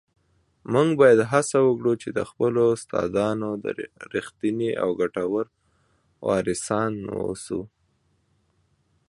موږ باید هڅه وکړو چي د خپلو استادانو رښتیني او ګټور وارثان واوسو.